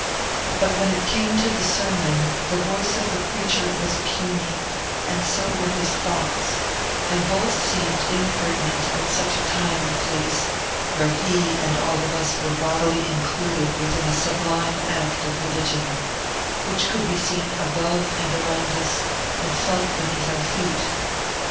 But when it came to the sermon, the voice of the preacher was puny, and so were his thoughts, and both seemed impertinent at such a time and place, where he and all of us were bodily included within a sublime act of religion, which could be seen above and around us and felt beneath our feet.